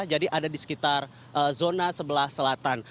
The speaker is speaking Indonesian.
jadi ada di sekitar zona sebelah selatan